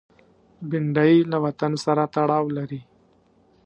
بېنډۍ له وطن سره تړاو لري